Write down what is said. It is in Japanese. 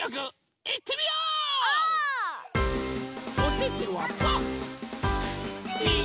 おててはパー。